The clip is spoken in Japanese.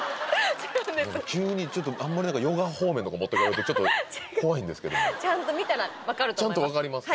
急にちょっとあんまりヨガ方面とか持ってかれるとちょっと怖いんですけどもちゃんと見たら分かると思いますちゃんと分かりますか？